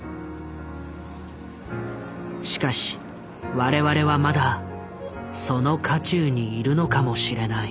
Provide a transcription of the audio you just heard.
しかし我々はまだその渦中にいるのかもしれない。